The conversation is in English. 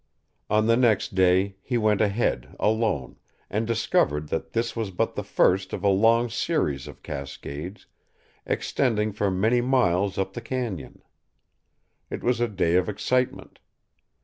On the next day he went ahead, alone, and discovered that this was but the first of a long series of cascades, extending for many miles up the cañon. It was a day of excitement.